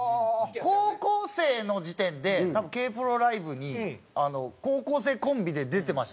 高校生の時点でＫ−ＰＲＯライブに高校生コンビで出てました多分。